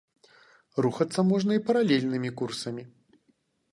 Рухацца можна і паралельнымі курсамі.